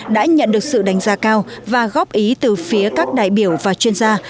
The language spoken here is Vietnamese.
đã nhận được sự đánh giá cao và góp ý từ phía các đại biểu và chuyên gia